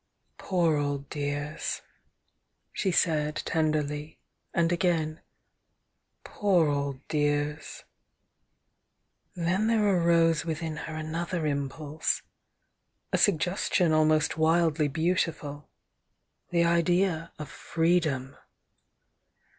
"Poor old dears!" she said, tenderly, — and acain: "Poor old dears!" Then there arose within her another impulse, — a suggestion almost wildly beautiful,— the idea of freedom!